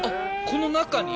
この中に？